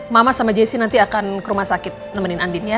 mama sama jessy nanti akan ke rumah sakit nemenin andin ya